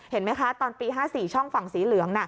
เห็นไหมคะตอนปี๕๔ช่องฝั่งสีเหลือง